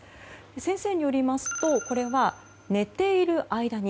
先生によりますとこれは、寝ている間に